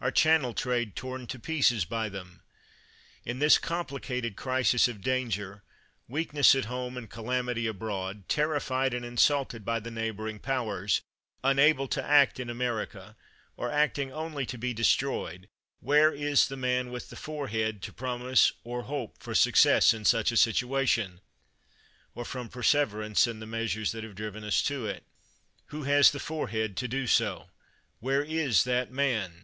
Our Channel trade torn to pieces by them! In this complicated crisis of danger, weakness at home, and calamity abroad, terrified and insulted by the neighboring powers, unable to act in America, or acting only to be destroyed, where is the man with the forehead to promise or hope for success in such a situation, or from perse verance in the measures that have driven us to it? "Who has the forehead to do so? Where is that man